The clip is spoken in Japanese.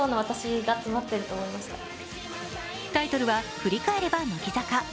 タイトルは「振り返れば、乃木坂」。